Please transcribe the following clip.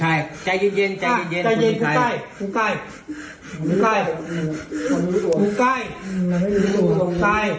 ใครใจเย็นใจเย็นใจใจใจใจใจใจใจใจใจใจใจ